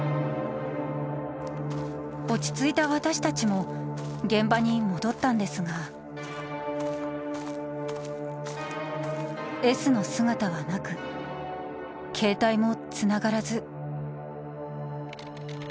「落ち着いた私たちも現場に戻ったんですがＳの姿はなく携帯もつながらず」